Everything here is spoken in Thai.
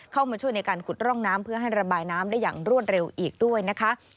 เข้ามาช่วยในการขุดร่องน้ำเพื่อให้ระบายน้ำได้อย่างรวดเร็วอีกด้วยนะคะ